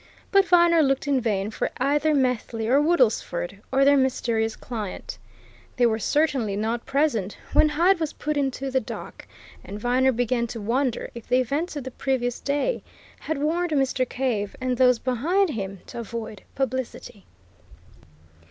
But Viner looked in vain for either Methley or Woodlesford or their mysterious client; they were certainly not present when Hyde was put into the dock, and Viner began to wonder if the events of the previous day had warned Mr. Cave and those behind him to avoid publicity.